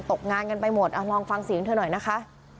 ตกงานกันไปหมดลองฟังเสียงเธอหน่อยนะคะ